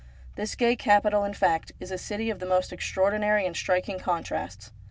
This gay capital, in fact, is a city of the most extraordinary and striking contrasts.